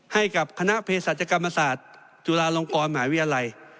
ให้กับคณะเพศศาจกรรมศาสตร์จุฬาลงกรมหาวิทยาลัย